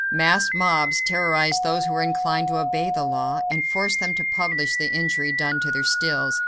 Masked mobs terrorized those who were inclined to obey the law, and forced them to publish the injury done to their stills.